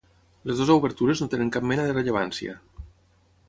Les dues obertures no tenen cap mena de rellevància.